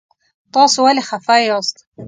تاسو ولې خفه یاست؟